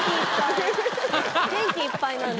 元気いっぱいなんで。